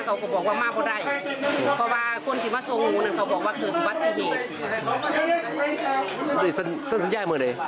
เจ้าสัญญามึงไหน